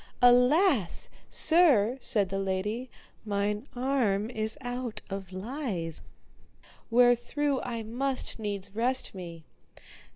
Alas! sir, said the lady, mine arm is out of lithe, wherethrough I must needs rest me.